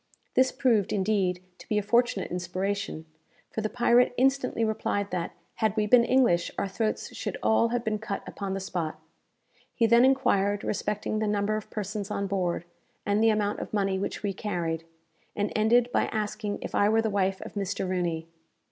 This proved, indeed, to be a fortunate inspiration; for the pirate instantly replied that, had we been English, our throats should all have been cut upon the spot. He then enquired respecting the number of persons on board, and the amount of money which we carried, and ended by asking if I were the wife of Mr. Rooney.